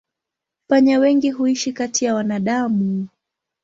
Panya wengi huishi kati ya wanadamu.